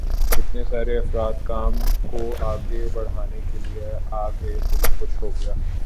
اتنے سارے افراد کام کو آگے بڑھانے کے لیے آ گئے، دل خوش ہو گیا۔